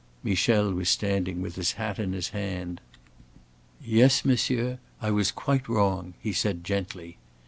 Michel was standing with his hat in his hand. "Yes, monsieur, I was quite wrong," he said, gently.